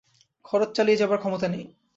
খরচ চালিয়ে যাবার ক্ষমতা নেই।